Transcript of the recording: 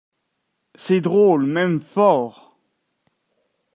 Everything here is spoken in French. Ces drôles m'aiment fort.